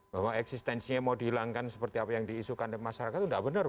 bahwa eksistensinya mau dihilangkan seperti apa yang diisukan masyarakat itu tidak benar